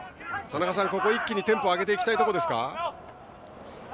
田中さん、ここ一気にテンポを上げていきたいですか。